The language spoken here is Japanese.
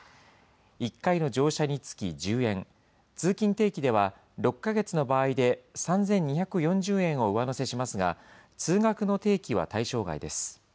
１回の乗車につき１０円、通勤定期では６か月の場合で３２４０円を上乗せしますが、通学の定期は対象外です。